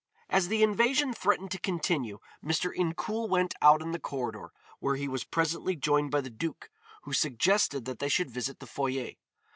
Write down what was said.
As the invasion threatened to continue Mr. Incoul went out in the corridor, where he was presently joined by the duke, who suggested that they should visit the foyer.